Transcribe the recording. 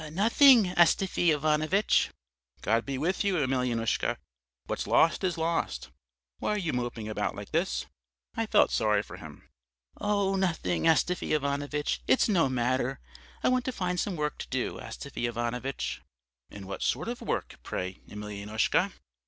"'Nothing, Astafy Ivanovitch.' "'God be with you, Emelyanoushka, what's lost is lost. Why are you moping about like this?' I felt sorry for him. "'Oh, nothing, Astafy Ivanovitch, it's no matter. I want to find some work to do, Astafy Ivanovitch.' "'And what sort of work, pray, Emelyanoushka?'